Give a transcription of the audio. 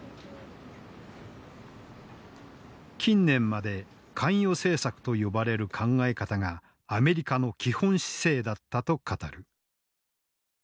近年まで関与政策と呼ばれる考え方がアメリカの基本姿勢だったと語る。